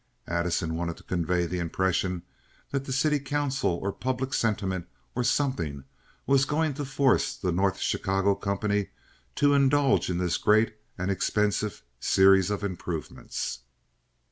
Addison wanted to convey the impression that the city council or public sentiment or something was going to force the North Chicago company to indulge in this great and expensive series of improvements.